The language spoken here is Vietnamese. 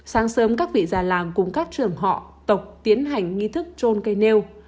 sáng sớm các vị già làng cùng các trường họ tộc tiến hành nghi thức trôn cây nêu